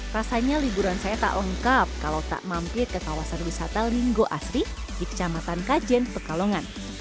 rasanya liburan saya tak lengkap kalau tak mampir ke kawasan wisata linggo asri di kecamatan kajen pekalongan